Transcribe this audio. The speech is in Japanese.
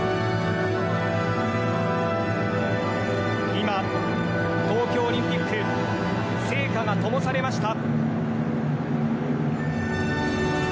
今、東京オリンピック聖火がともされました。